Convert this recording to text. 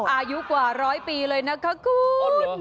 อายุกว่าร้อยปีเลยนะคะคุณ